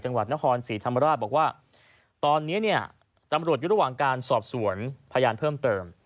จังหวัดนครศรีธรรมราชบอกว่าตอนนี้เนี่ยตำรวจอยู่ระหว่างการสอบสวนพยานเพิ่มเติม